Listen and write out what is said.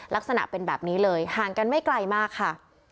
ลักษณะเป็นแบบนี้เลยห่างกันไม่ไกลมากค่ะ